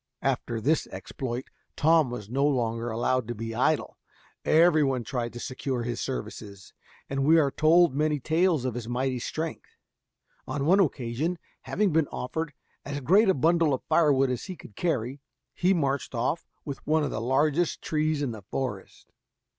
After this exploit Tom was no longer allowed to be idle. Every one tried to secure his services, and we are told many tales of his mighty strength. On one occasion, having been offered as great a bundle of fire wood as he could carry, he marched off with one of the largest trees in the forest.